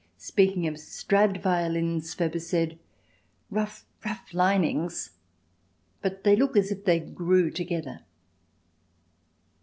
Speaking of Strad violins Furber said: "Rough, rough linings, but they look as if they grew together."